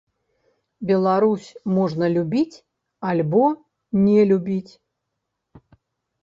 Беларусь можна любіць альбо не любіць.